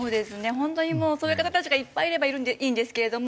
ホントにもうそういう方たちがいっぱいいればいいんですけれども。